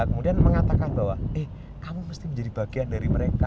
kemudian mengatakan bahwa eh kamu mesti menjadi bagian dari mereka